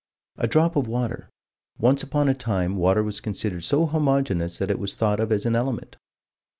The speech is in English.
A drop of water. Once upon a time water was considered so homogeneous that it was thought of as an element.